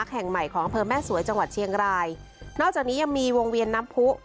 แห่งใหม่ของอำเภอแม่สวยจังหวัดเชียงรายนอกจากนี้ยังมีวงเวียนน้ำผู้